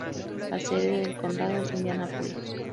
La sede del condado es Indianápolis.